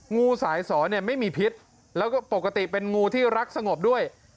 งูสายสอนเนี่ยไม่มีพิษแล้วก็ปกติเป็นงูที่รักสงบด้วย